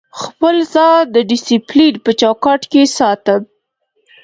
خپل ځان د ډیسپلین په چوکاټ کې ساتم.